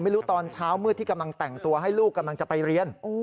ตอนเช้ามืดที่กำลังแต่งตัวให้ลูกกำลังจะไปเรียน